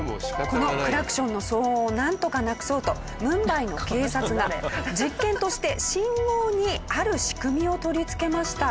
このクラクションの騒音をなんとかなくそうとムンバイの警察が実験として信号にある仕組みを取り付けました。